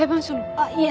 あっいえ